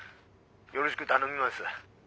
よろしぐ頼みます。